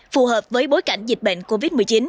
phù hợp với bối cảnh dịch bệnh covid một mươi chín